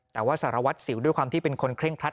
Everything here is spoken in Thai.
แต่ว่าสารวัตรสิวด้วยความที่เป็นคนเคร่งครัด